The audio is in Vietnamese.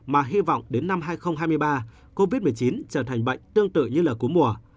mà hy vọng đến năm hai nghìn hai mươi ba covid một mươi chín trở thành bệnh tương tự như là cú mùa